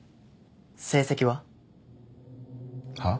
成績は？はっ？